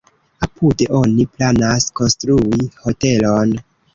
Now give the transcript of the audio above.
Apude oni planas konstrui hotelon.